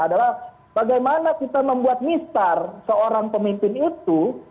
adalah bagaimana kita membuat mistar seorang pemimpin itu